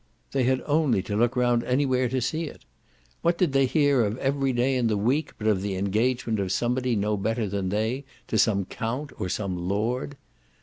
They had only to look round anywhere to see it: what did they hear of every day in the week but of the engagement of somebody no better than they to some count or some lord?